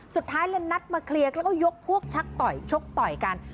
สุดท้ายเลยนัดมาเคลียร์แล้วก็ยกพวกชักต่อยชกต่อยกัน